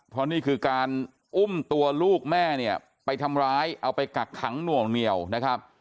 เพราะนี่คือการอุ้มตัวลูกแม่เนี่ยไปทำร้ายเอาไปกักขังหน่วงเหนียวนะครับ